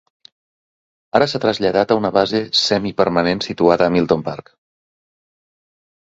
Ara s'ha traslladat a una base semipermanent situada a Milton Park.